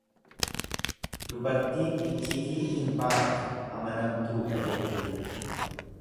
Dubartiin iccitii hin baaftu, amanamtuudha jechuudha.